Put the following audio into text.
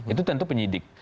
itu tentu penyidik